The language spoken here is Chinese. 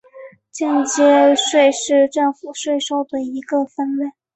间接税是政府税收的一个分类。